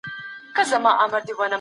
پانګوال بايد د سود مخه ونيسي.